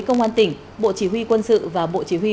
công an tỉnh bộ chỉ huy quân sự và bộ chỉ huy